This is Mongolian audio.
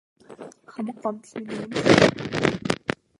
Хамаг гомдол минь үүнд л байна.